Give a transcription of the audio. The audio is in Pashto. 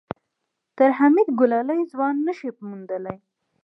تر حميد ګلالی ځوان نه شې موندلی.